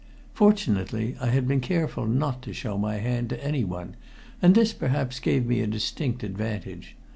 Fortunately I had been careful not to show my hand to anyone, and this perhaps gave me a distinct advantage.